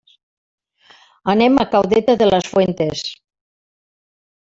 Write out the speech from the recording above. Anem a Caudete de las Fuentes.